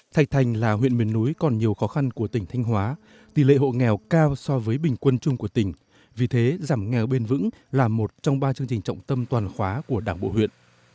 thạch thành là huyện miền núi còn nhiều khó khăn của tỉnh thanh hóa tỷ lệ hộ nghèo cao so với bình quân chung của tỉnh vì thế giảm nghèo bền vững là một trong ba chương trình trọng tâm toàn khóa của đảng bộ huyện